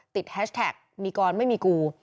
แฮชแท็กมีกรไม่มีกู